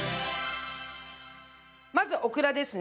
まずオクラですね。